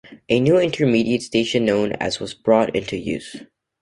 A new intermediate station known as was brought into use.